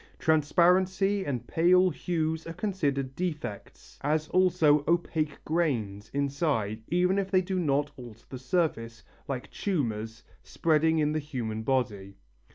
Transparency and pale hues are considered defects, as also opaque grains inside even if they do not alter the surface, like tumours, spreading in the human body.